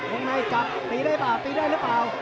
วงในจับตีได้เปล่าตีได้หรือเปล่า